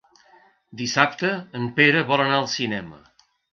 Dissabte en Pere vol anar al cinema.